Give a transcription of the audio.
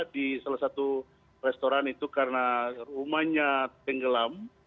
di salah satu restoran itu karena rumahnya tenggelam